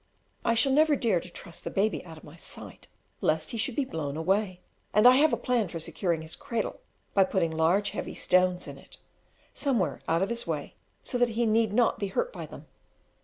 I shall never dare to trust the baby out of my sight, lest he should be blown away; and I have a plan for securing his cradle, by putting large heavy stones in it, somewhere out of his way, so that he need not be hurt by them.